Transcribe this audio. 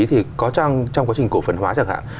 thì trong quá trình cổ phần hóa chẳng hạn